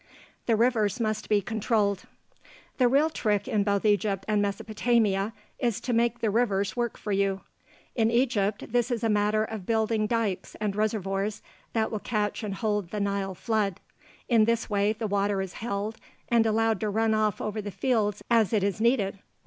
THE RIVERS MUST BE CONTROLLED The real trick in both Egypt and Mesopotamia is to make the rivers work for you. In Egypt, this is a matter of building dikes and reservoirs that will catch and hold the Nile flood. In this way, the water is held and allowed to run off over the fields as it is needed.